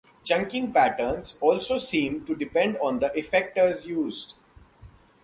Chunking patterns also seem to depend on the effectors used.